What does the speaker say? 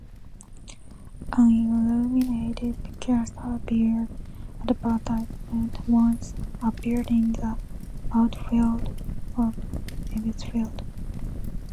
An illuminated Schaefer beer advertisement once appeared in the outfield of Ebbets Field.